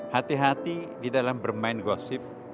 hati hati di dalam bermain gosip